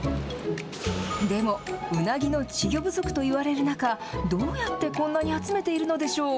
でも、ウナギの稚魚不足と言われる中どうやってこんなに集めているのでしょう。